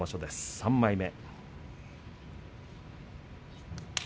３枚目。